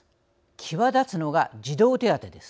際立つのが児童手当です。